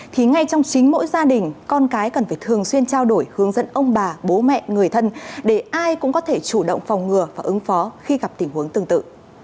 thì ngay trong chính mỗi gia đình con cái cần phải thường xuyên trao đổi hướng dẫn ông bà bố mẹ người thân để ai cũng có thể chủ động phòng ngừa và ứng phó khi gặp tình huống tương tự